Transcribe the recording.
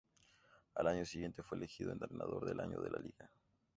Al año siguiente fue elegido Entrenador del Año de la liga.